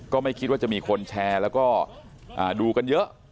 ก็ไม่คิดว่าจะมีคนแชร์แล้วก็ดูกันเยอะ